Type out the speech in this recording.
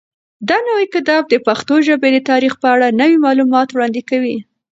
دا نوی کتاب د پښتو ژبې د تاریخ په اړه نوي معلومات وړاندې کوي.